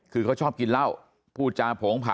คือเขาชอบกินเล่า